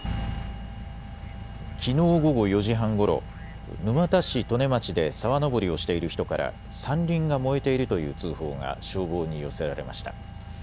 きのう午後４時半ごろ、沼田市利根町で沢登りをしている人から山林が燃えているという通報が消防に寄せられました。